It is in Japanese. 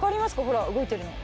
ほら動いてるの。